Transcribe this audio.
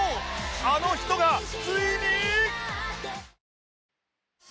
あの人がついに！